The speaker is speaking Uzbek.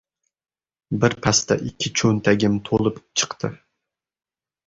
Birpasda ikki cho‘ntagim to‘lib chiqdi.